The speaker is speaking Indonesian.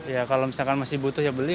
ya kalau misalkan masih butuh ya beli